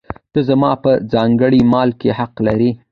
ته زما په ځانګړي مال کې حق لرې.